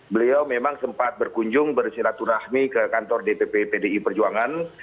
beliau memang sempat berkunjung bersilaturahmi ke kantor dpp pdi perjuangan